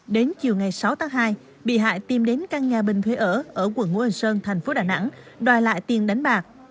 đến chiều ngày sáu tháng hai bị hại tiêm đến căn nhà bình thuê ở ở quận nguồn sơn tp đà nẵng đòi lại tiền đánh bạc